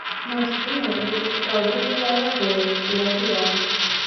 Магчыма, гэта сапраўды была яго ініцыятыва.